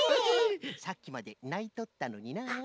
さっきまでないとったのにのう。